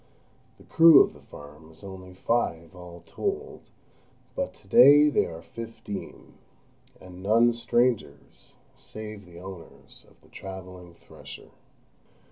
The crew of the farm is only five all told, but to day they are fifteen, and none strangers, save the owners of the travelling thresher.